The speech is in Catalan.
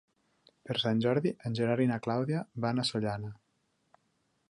Per Sant Jordi en Gerard i na Clàudia van a Sollana.